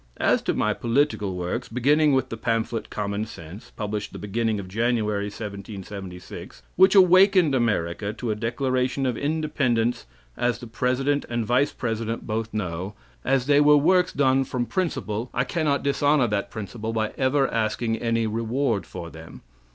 "As to my political works, beginning with the pamphlet 'Common Sense,' published the beginning of January 1776, which awakened America to a declaration of independence as the president and vice president both know, as they were works done from principle I can not dishonor that principle by ever asking any reward for them.